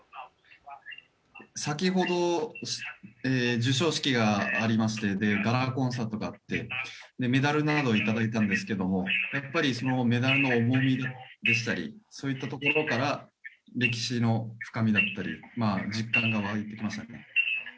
先ほど、授賞式がありましてガラコンサートがありましてメダルなどをいただいたんですけど、そのメダルの重みから歴史の深みだったり実感が湧いてきましたね。